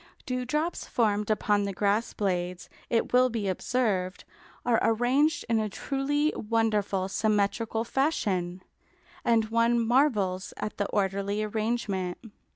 Dewdrops formed upon the grass blades, it will be observed, are arranged in a truly wonderful symmetrical fashion, and one marvels at the orderly arrangement.